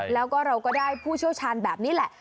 แล้วก็เราก็ได้ผู้เชี่ยวชาญแบบนี้แหละ